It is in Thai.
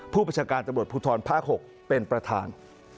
ประชาการตำรวจภูทรภาค๖เป็นประธาน